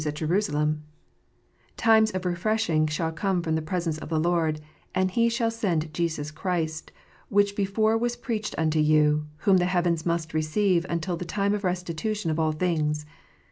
253 ;it Jerusalem: "Times of refreshing shall come from the presence of the Lord ; and He shall send Jesus Christ, which before was preached unto you : whom the heavens must receive until the times of restitution of all things."